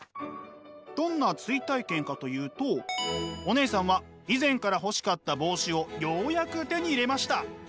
どんな追体験かというとお姉さんは以前から欲しかった帽子をようやく手に入れました。